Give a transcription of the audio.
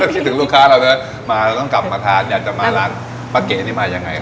คิดถึงลูกค้าเราเนอะมาต้องกลับมาทานเนี้ยจะมาร้านปะเกะนี่มายังไงครับ